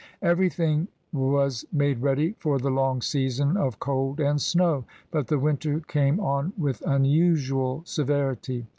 Everything was made ready for the long season of cold and snow, but the winter came on with unusual severity.